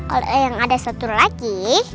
kalau yang ada satu lagi